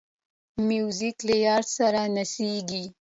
موزیک له یار سره نڅېږي.